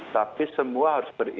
tapi semua harus berinteraksi